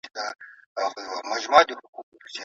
کوچنی اختر نږدې دی.